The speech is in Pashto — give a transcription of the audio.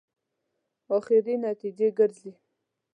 اخري نتیجې ګرځي.